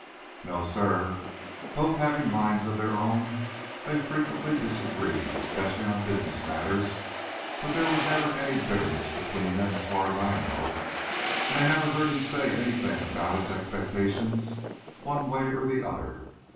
"No, sir. Both having minds of their own, they frequently disagreed, especially on business matters; but there was never any bitterness between them, as far as I know, and I never heard him say any thing about his expectations one way or the other.